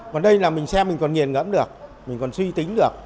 mà đây là mình xem mình còn nghiền ngẫm được mình còn suy tính được